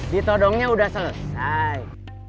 ditodongnya udah selesai